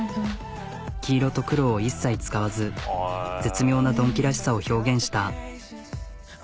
黄色と黒を一切使わず絶妙なドンキらしさを表現した。